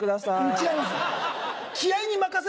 違います！